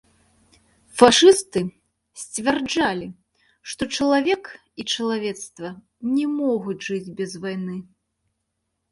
Фашысты сцвярджалі, што чалавек і чалавецтва не могуць жыць без вайны.